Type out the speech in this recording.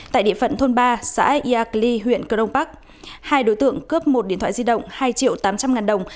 tại địa phận thôn ba xã iacli huyện cơ đông bắc hai đối tượng cướp một điện thoại di động hai triệu tám trăm linh ngàn đồng